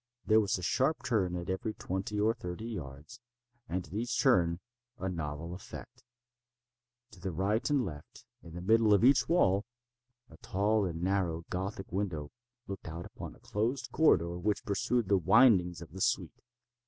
There was a sharp turn at every twenty or thirty yards, and at each turn a novel effect. To the right and left, in the middle of each wall, a tall and narrow Gothic window looked out upon a closed corridor which pursued the windings of the suite.